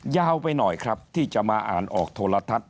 ยาวไปหน่อยครับที่จะมาอ่านออกโทรทัศน